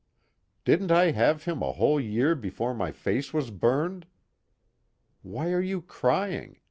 Didn't I have him a whole year before my face was burned? Why are you crying?